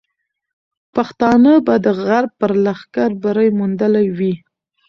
پښتانه به د غرب پر لښکر بری موندلی وي.